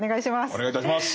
お願いいたします。